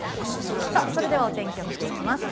それではお天気を見ていきます。